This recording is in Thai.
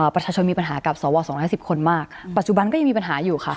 ประชาชนมีปัญหากับสว๒๑๐คนมากปัจจุบันก็ยังมีปัญหาอยู่ค่ะ